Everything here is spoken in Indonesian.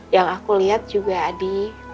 yang aku lihat juga adi